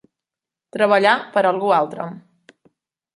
Treballar per a algú altre.